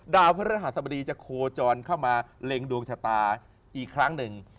พระฤหัสบดีจะโคจรเข้ามาเล็งดวงชะตาอีกครั้งหนึ่ง